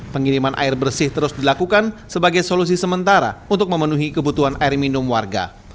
pengiriman air bersih terus dilakukan sebagai solusi sementara untuk memenuhi kebutuhan air minum warga